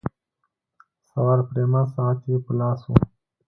سوار پریما ساعت یې په لاس وو.